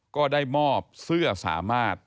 ก็ได้มอบเสื้อสามารถ